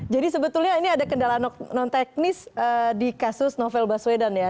jadi sebetulnya ini ada kendala non teknis di kasus novel baswedan ya